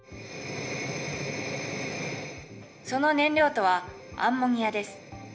その燃料とは、アンモニアです。